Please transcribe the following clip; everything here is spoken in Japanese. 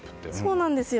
そうなんですよ。